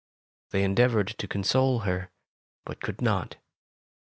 They endeavored to console her, but could not.